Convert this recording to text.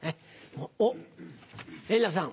おっ円楽さん